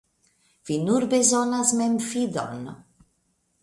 Vi nur bezonas memfidon.